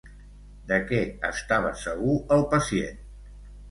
De què estava segur el pacient?